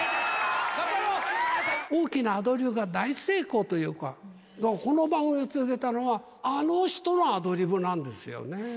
大きなアドリブが大成功というか、この番組続けたのは、あの人のアドリブなんですよね。